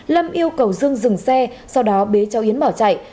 lâm yêu cầu dương dừng xe sau đó bế cháu yến bỏ chạy